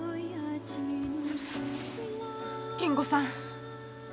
金吾さん。